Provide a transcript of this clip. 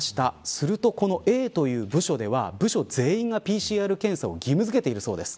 すると、このＡという部署では部署全員がＰＣＲ検査を義務付けているそうです。